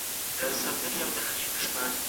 شعر د پټو حقایقو ښکاره تصویر دی.